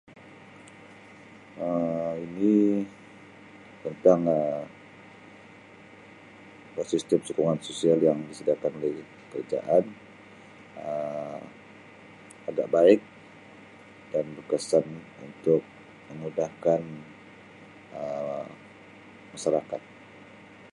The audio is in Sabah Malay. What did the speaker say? Um Ini tentang Um bersistem sokongan sosial yang disediakan oleh kerajaan Um agak baik dan berkesan untuk memudahkan Um masyarakat.